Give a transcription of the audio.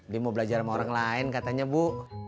dia mau belajar sama orang lain katanya bu